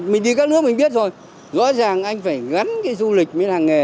mình đi các nước mình biết rồi rõ ràng anh phải gắn cái du lịch với làng nghề